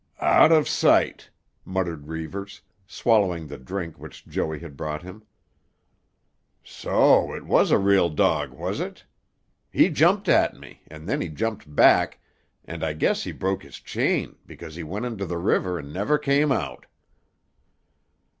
"Out of sight," muttered Reivers, swallowing the drink which Joey had brought him. "So it was a real dog, was it? He jumped at me, and then he jumped back, and I guess he broke his chain, because he went into the river and never came out."